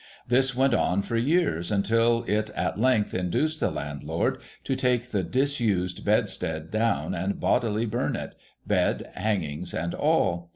This went on for years, until it at length induced the landlord to take the disused bedstead down, and bodily burn it, — bed, hangings, and all.